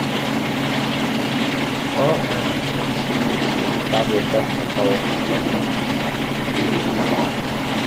Carl Aaron Swensson, the founder of Bethany College who had recently died.